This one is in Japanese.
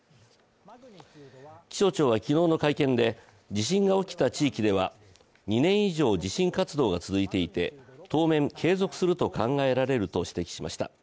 気象庁は昨日の会見で、地震が起きた地域では２年以上地震活動が続いていて当面継続すると考えられると指摘しました。